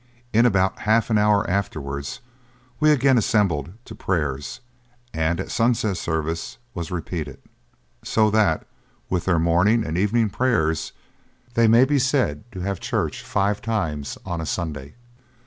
In about half an hour afterwards we again assembled to prayers, and at sunset service was repeated; so that, with their morning and evening prayers, they may be said to have church five times on a Sunday.'